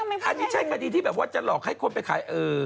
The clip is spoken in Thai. แล้วเห็นไหมอันนี้ใช้ควรดีที่แบบว่าจะหลอกให้คนไปขาย